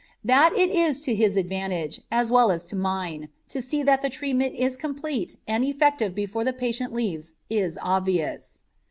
That it is to his advantage as well as to mine to see that the treatment is complete and effective before the patient leaves is obvious.